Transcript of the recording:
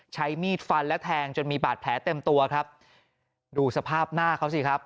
ใช้มีดฟันและแทงจนมีบาดแผลเต็มตัวครับดูสภาพหน้าเขาสิครับ